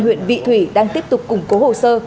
huyện vị thủy đang tiếp tục củng cố hồ sơ